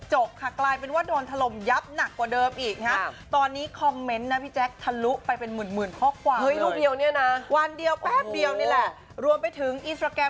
ฉันลงให้เลยไม่ต้องมาแอบถ่ายนะฮะ